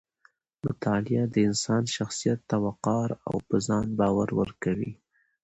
مطالعه د انسان شخصیت ته وقار او په ځان باور ورکوي.